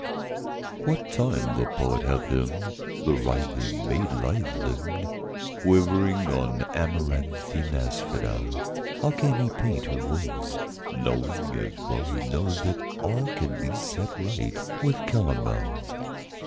What time the poet hath hymned The writhing maid, lithe limbed, Quivering on amaranthine asphodel, How can he paint her woes, Knowing, as well he knows, That all can be set right with calomel?